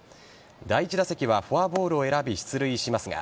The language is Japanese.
第１打席はフォアボールを選び出塁しますが